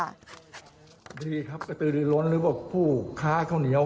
ดีครับกระตือลือล้นหรือว่าผู้ค้าข้าวเหนียว